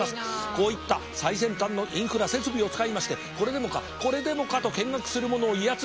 こういった最先端のインフラ設備を使いましてこれでもかこれでもかと見学する者を威圧しております。